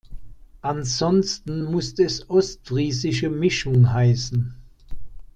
Ansonsten muss es „ostfriesische Mischung“ heißen.